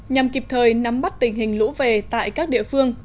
nhằm kịp thời nắm bắt tình hình lũ về tại các địa phương